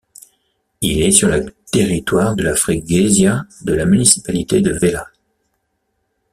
Il est sur le territoire de la freguesia de de la municipalité de Velas.